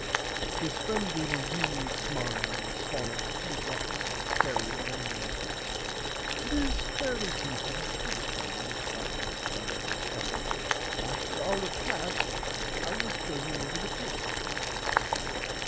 His friend gave a weary smile and swollowed a few drops of sherry wine. It is fairly decent he replied with a bashful glance at Ethel after our repast I will show you over the premisis.